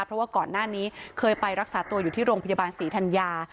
เพราะว่าก่อนหน้านี้เคยไปรักษาตัวอยู่ที่โรงพยาบาลศรีธัญญา